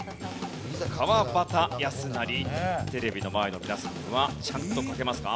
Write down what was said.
テレビの前の皆さんはちゃんと書けますか？